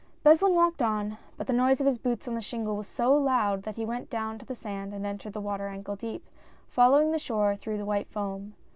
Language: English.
Beslin walked on, but the noise of his boots on the shingle was so loud that he went down to the sand and entered the water ankle deep, following the shore through the white foam.